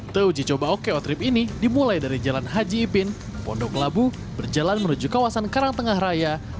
atau uji coba oko trip ini dimulai dari jalan haji ipin pondok labu berjalan menuju kawasan karangtengah raya